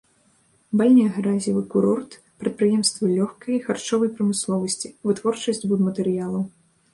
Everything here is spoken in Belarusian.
Бальнеагразевы курорт, прадпрыемствы лёгкай і харчовай прамысловасці, вытворчасць будматэрыялаў.